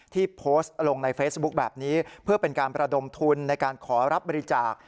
ที่โพสต์ลงในเฟซบุ๊คแบบนี้เพื่อเป็นการประดมทุนในการขอรับบริจาค